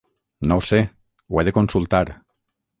No ho sé. Ho he de consultar.